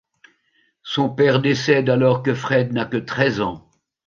Son père décède alors que Fred n'a que treize ans.